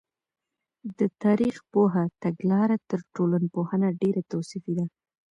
د تاریخ پوه تګلاره تر ټولنپوه ډېره توصیفي ده.